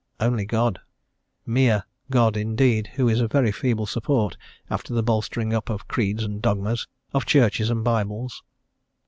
Only God. "Mere" God indeed, who is a very feeble support after the bolstering up of creeds and dogmas, of Churches and Bibles.